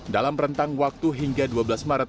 dalam rentang waktu hingga dua belas maret